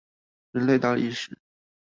人類大歷史